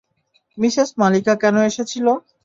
Mrs Mallika কেন এসেছিল।